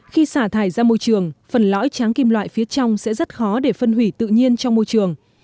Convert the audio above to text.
khi xả thải ra môi trường phần lõi tráng kim loại phía trong sẽ rất khó để phân hủy tự nhiên trong môi trường